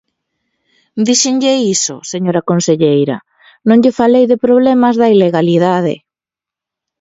Díxenlle iso, señora conselleira, non lle falei de problemas da ilegalidade.